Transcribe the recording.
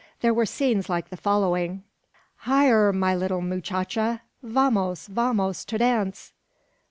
There were scenes like the following: "Hyar, my little muchacha! vamos, vamos, ter dance!